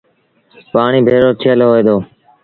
پآڻيٚ ڀيڙو ٿيٚل هوئي دو۔